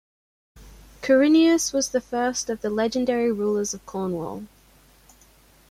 Corineus was the first of the legendary rulers of Cornwall.